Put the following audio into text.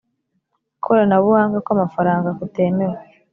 koranabuhanga kw amafaranga kutemewe